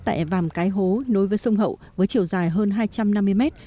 tại vàm cái hố nối với sông hậu với chiều dài hơn hai trăm năm mươi mét